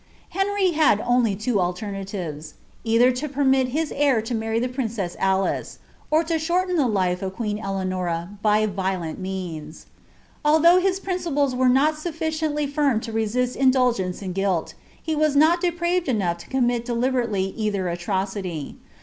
Henry had only two alternatives; either to permit his heir to marry the princess Aticr, or to shorten the life of the queen Eleanora by violent means. Allbongh his principles were not sufficiently linn to resist indulgence in rnilt, he was not depraved enough to commit deliberately either atrocity.